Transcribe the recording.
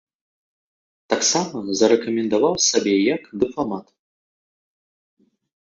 Таксама зарэкамендаваў сябе як дыпламат.